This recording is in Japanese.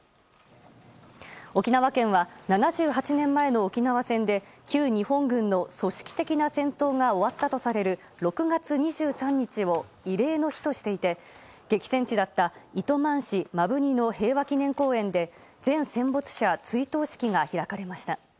沖縄県は７８年前の沖縄戦で旧日本軍の組織的な戦闘が終わったとされる６月２３日を慰霊の日としていて激戦地だった糸満市摩文仁の平和祈念公園で全戦没者追悼式が開かれました。